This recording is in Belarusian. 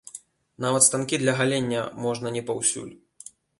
Нават станкі для галення можна не паўсюль.